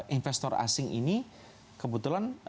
investor asing ini kebetulan